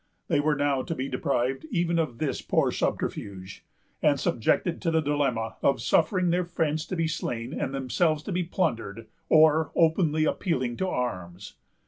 They were now to be deprived of even this poor subterfuge, and subjected to the dilemma of suffering their friends to be slain and themselves to be plundered, or openly appealing to arms.